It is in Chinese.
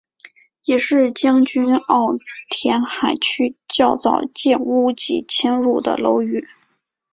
也属将军澳填海区较早建屋及迁入的楼宇。